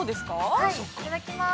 ◆はい、いただきます。